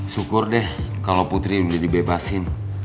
syukur deh kalau putri udah dibebasin